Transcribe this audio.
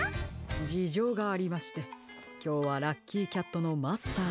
じじょうがありましてきょうはラッキーキャットのマスターに。